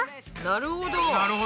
なるほど。